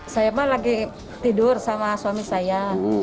saya mah lagi tidur sama suami saya